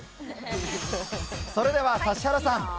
それでは指原さん。